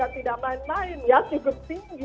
tidak main main ya cukup tinggi